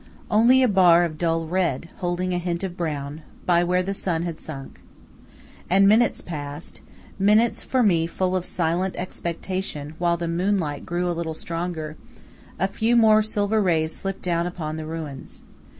Only a bar of dull red, holding a hint of brown, by where the sun had sunk. And minutes passed minutes for me full of silent expectation, while the moonlight grew a little stronger, a few more silver rays slipped down upon the ruins.